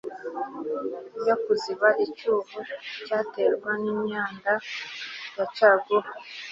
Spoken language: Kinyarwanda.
yo kuziba icyuho cyaterwaga n'imyenda ya caguwa